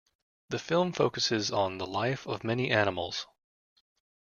The film focuses on the life of many animals.